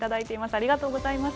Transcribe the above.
ありがとうございます。